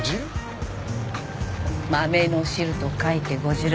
豆の汁と書いて「ごじる」